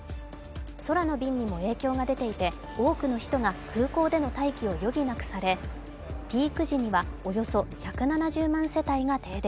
空の便にも影響が出ていて多くの人が空港での待機を余儀なくされピーク時にはおよそ１７０万世帯が停電。